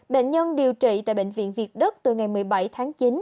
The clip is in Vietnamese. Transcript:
bệnh nhân điều trị tại bệnh viện việt đức từ ngày một mươi bảy tháng chín